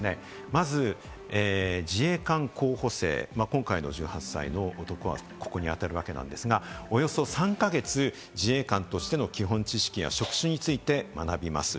まず自衛官候補生、今回の１８歳の男は、ここに当たるわけですが、およそ３か月自衛官としての基本知識や職種について学びます。